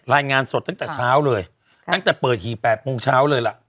รายงานสดตั้งแต่เช้าเลยตั้งแต่เปิดหี่๘โมงเช้าเลยล่ะ